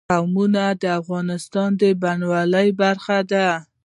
قومونه د افغانستان د بڼوالۍ برخه ده.